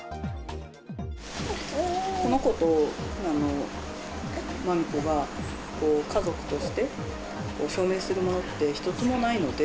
この子とまみこが、家族として証明するものって一つもないので。